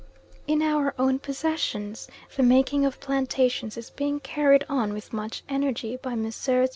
In our own possessions the making of plantations is being carried on with much energy by Messrs.